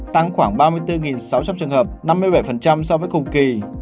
tăng khoảng ba mươi bốn sáu trăm linh trường hợp năm mươi bảy so với cùng kỳ